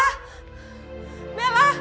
kamu lihat mama bella nak